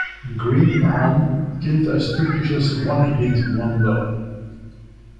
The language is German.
Greenbaum gilt als typisches One-Hit-Wonder.